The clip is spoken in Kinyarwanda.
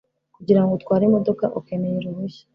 kugira ngo utware imodoka, ukeneye uruhushya